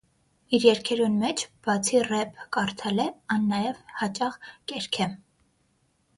Իր երգերուն մէջ բացի ռեփ կարդալէ, ան նաեւ յաճախ կ՛երգէ։